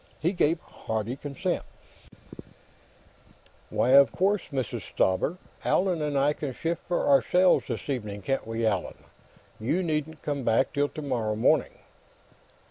He gave hearty assent: "Why, of course, Mrs. Stauber. Allan and I can shift for ourselves, this evening; can't we, Allan? You needn't come back till tomorrow morning."